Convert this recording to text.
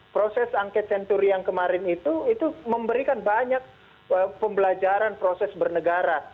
proses angket senturi yang kemarin itu itu memberikan banyak pembelajaran proses bernegara